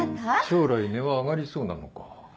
将来値は上がりそうなのか？